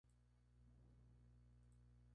El proceso consta de muchos pasos.